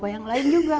bapak yang lain juga